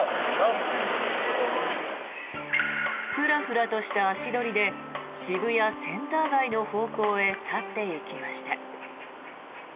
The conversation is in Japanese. フラフラとした足取りで渋谷センター街の方向へ去っていきました。